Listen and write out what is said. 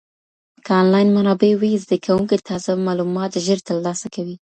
که انلاین منابع وي، زده کوونکي تازه معلومات ژر ترلاسه کوي.